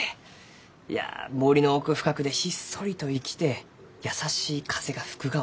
いや森の奥深くでひっそりと生きて優しい風が吹くがを待つ。